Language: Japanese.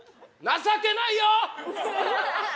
情けないよ！